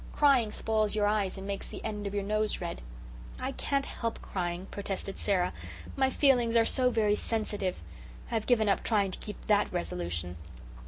Crying spoils your eyes and makes the end of your nose red." "I can't help crying," protested Sara. "My feelings are so very sensitive. I've given up trying to keep THAT resolution."